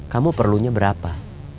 kamu perlunya berapa